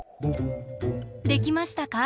できましたか？